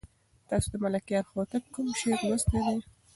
تاسو د ملکیار هوتک کوم شعر لوستی دی؟